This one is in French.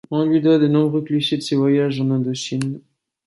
On lui doit de nombreux clichés de ses voyages en Indochine.